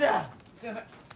すみません！